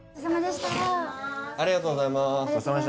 ありがとうございます。